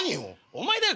お前だよ